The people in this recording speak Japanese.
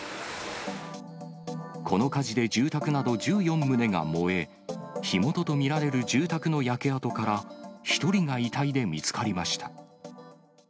この火事で住宅など１４棟が燃え、火元と見られる住宅の焼け跡から、１人が遺体で見つかりました。